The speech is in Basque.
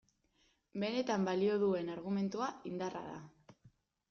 Benetan balio duen argumentua indarra da.